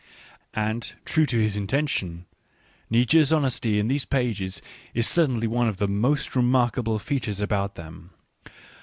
And, true to his intention, Nietzsche's honesty in these pages is certainly one of the most remarkable features about them.